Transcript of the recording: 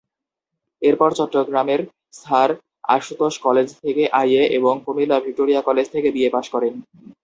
এরপর চট্টগ্রামের Sir Ashutosh college থেকে আই এ এবং কুমিল্লা ভিক্টোরিয়া কলেজ থেকে বি এ পাস করেন।